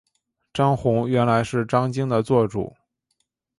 张宏原来是张鲸的座主。